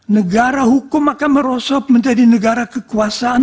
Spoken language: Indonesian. negara hukum akan merosot menjadi negara kekuasaan